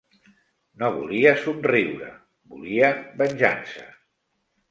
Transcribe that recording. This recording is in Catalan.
No volia somriure; volia venjança.